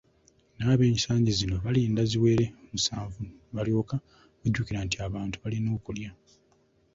Naye ab'ensangi zino balinda ziwere musanvu ne balyoka bajjukira nti abantu balina okulya.